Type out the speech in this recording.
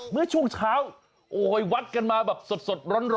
เมื่อช่วงเช้าโอ้ยวัดกันมาแบบสดร้อน